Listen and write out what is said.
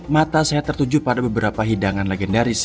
mata saya tertuju pada beberapa hidangan legendaris